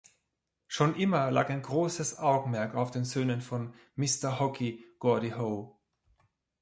Schon immer lag ein großes Augenmerk auf den Söhnen von "Mr Hockey" Gordie Howe.